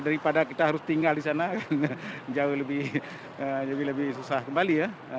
daripada kita harus tinggal di sana jauh lebih susah kembali ya